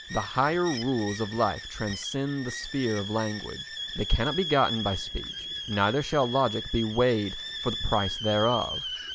The higher rules of life transcend the sphere of language; they cannot be gotten by speech, neither shall logic be weighed for the price thereof.